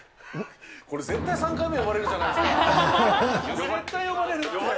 これ絶対、３回目、呼ばれるじゃないですか。